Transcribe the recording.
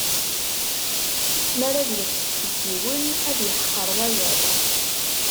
Mi ara ad iṭṭef deg yiwen, ad iḥqer wayeḍ.